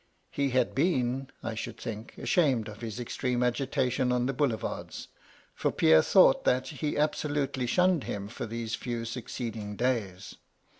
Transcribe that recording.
* ^^He had been, I should think, ashamed of his extreme agitation on the Boulevards, for Pierre thought that he absolutely shunned him for these few succeeding days.